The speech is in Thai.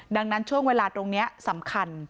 ดังนั้นช่วงเวลาตรงนี้สำคัญ